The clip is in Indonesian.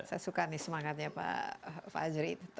saya suka nih semangatnya pak fajri